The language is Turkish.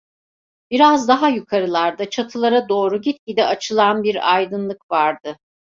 Biraz daha yukarılarda, çatılara doğru gitgide açılan bir aydınlık vardı.